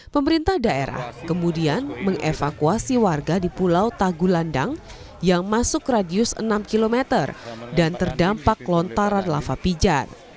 pemerintah daerah kemudian mengevakuasi warga di pulau tagulandang yang masuk radius enam km dan terdampak lontaran lava pijat